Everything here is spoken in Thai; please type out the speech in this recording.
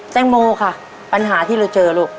แตงโมค่ะปัญหาที่เราเจอลูก